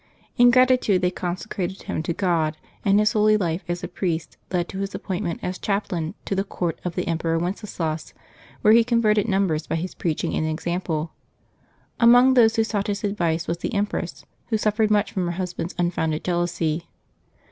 In gratitude they consecrated him to God; and his holy life as a priest led to his appointment as chaplain to the court of the Em peror Wenceslas, where he converted numbers by his preaching and example. Amongst those who sought his advice was the empress, who suffered much from her husband's unfounded jealousy.